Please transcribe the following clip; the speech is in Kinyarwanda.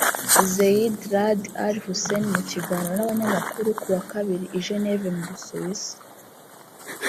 Zeid Raad al-Hussein mu kiganiro n’abanyamakuru ku wa kabiri i Genève mu Busuwisi